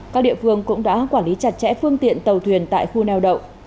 các địa phương cũng đã quản lý chặt chẽ phương tiện tàu thuyền tại khu neo đậu